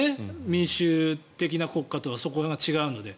民主的な国家とはそこが違うので。